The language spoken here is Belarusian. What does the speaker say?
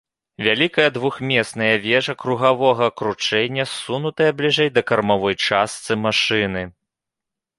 Вялікая двухмесная вежа кругавога кручэння ссунутая бліжэй да кармавой частцы машыны.